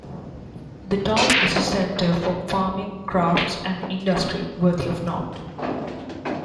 The town is a centre for farming, crafts and industry worthy of note.